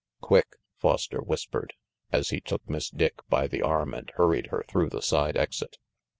"Quick!" Foster whispered, as he took Miss Dick by the arm and hurried her through the side exit.